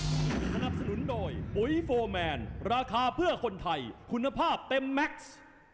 สนับสนุนโดยปุ๋ยโฟร์แมนราคาเพื่อคนไทยคุณภาพเต็มแม็กซ์